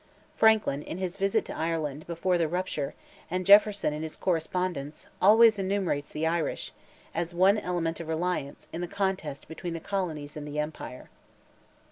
Franklin, in his visit to Ireland, before the rupture, and Jefferson in his correspondence, always enumerates the Irish, as one element of reliance, in the contest between the Colonies and the Empire.